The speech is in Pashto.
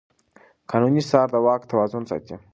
قانوني څار د واک توازن ساتي.